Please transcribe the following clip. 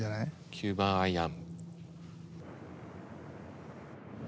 ９番アイアン。